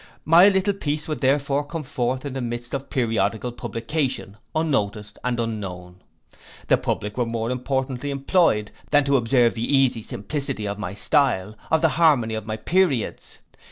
My little piece would therefore come forth in the mist of periodical publication, unnoticed and unknown. The public were more importantly employed, than to observe the easy simplicity of my style, of the harmony of my periods.